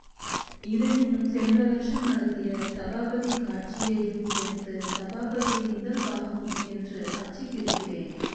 இதையும் சென்ற வருஷம் நடத்திய சபாபதி காட்சியையும் சேர்த்து சபாபதி முதல் பாகம் என்று அச்சிட்டிருக்கிறேன்.